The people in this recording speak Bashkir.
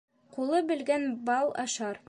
Ҡулы белгән бал ашар.